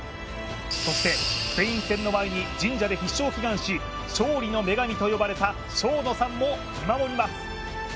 そしてスペイン戦の前に神社で必勝祈願し勝利の女神と呼ばれたＳＨＯＮＯさんも見守ります。